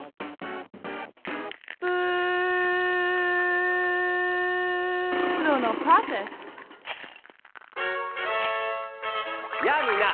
プーロのプロセスやあみんな！